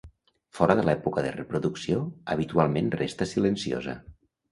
Fora de l'època de reproducció, habitualment resta silenciosa.